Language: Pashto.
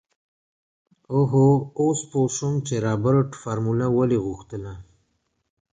اوهوهو اوس پو شوم چې رابرټ فارموله ولې غوښتله.